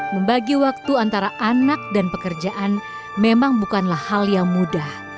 membagi waktu antara anak dan pekerjaan memang bukanlah hal yang mudah